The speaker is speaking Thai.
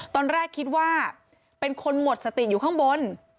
ตอนแรกคิดว่าเป็นคนหมดสติอยู่ข้างบน